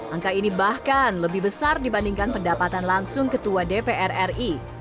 angka ini bahkan lebih besar dibandingkan pendapatan langsung ketua dpr ri